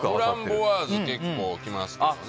フランボワーズ結構来ますけどね。